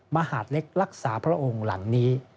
มหาดเล็กรักษาพระองค์หลังนี้